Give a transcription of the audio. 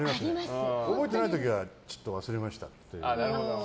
覚えてない時はちょっと忘れましたって。